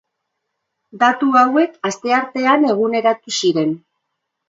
Datu hauek asteartean eguneratu ziren.